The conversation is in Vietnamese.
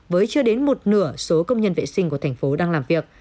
với chưa đến một nửa số công nhân vệ sinh của thành phố đang làm việc